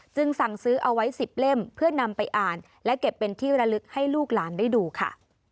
สั่งซื้อเอาไว้๑๐เล่มเพื่อนำไปอ่านและเก็บเป็นที่ระลึกให้ลูกหลานได้ดูค่ะ